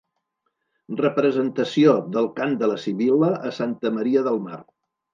Representació del Cant de la Sibil·la a Santa Maria del Mar.